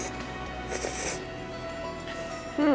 うん。